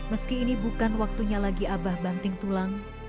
meski ini bukan waktunya lagi abah banting tulang